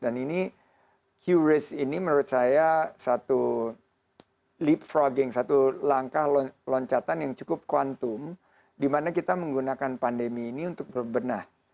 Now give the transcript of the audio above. dan ini qris ini menurut saya satu leapfrogging satu langkah loncatan yang cukup kuantum di mana kita menggunakan pandemi ini untuk berbenah